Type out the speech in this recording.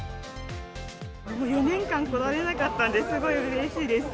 ４年間来られなかったんで、すごいうれしいです。